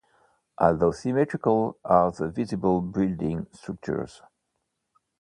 Also symmetrical are the visible building structures.